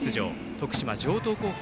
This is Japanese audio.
徳島・城東高校